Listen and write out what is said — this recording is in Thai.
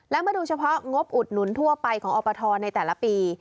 และมาดูเฉพาะงบอุดหนุนทั่วไปของอปทในแต่ละปี